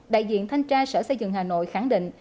đại diện thanh tra sở xây dựng hà nội khẳng định